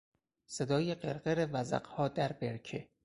صدای قرقر وزغها در برکه